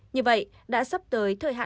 như vậy đã sắp tới thời hạn